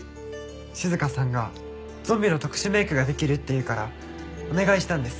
静さんがゾンビの特殊メイクができるっていうからお願いしたんです。